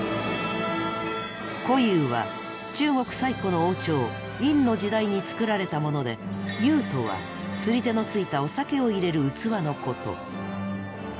虎は中国最古の王朝殷の時代に作られたものでとは釣り手のついたお酒を入れる器のこと。